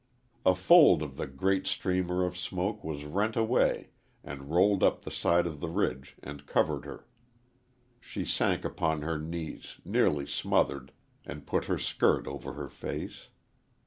A fold of the great streamer of smoke was rent away and rolled up the side of the ridge and covered her. She sank upon her knees, nearly smothered, and put her skirt over her face.